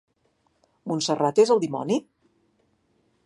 Montserrat és el dimoni?